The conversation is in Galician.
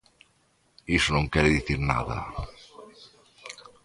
Iso non quere dicir nada!